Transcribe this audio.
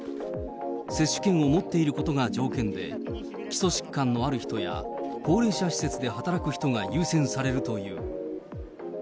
接種券を持っていることが条件で、基礎疾患のある人や高齢者施設で働く人が優先されるという。